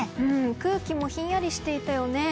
空気もひんやりしていたよね。